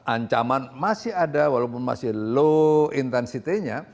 ancaman masih ada walaupun masih low intensitenya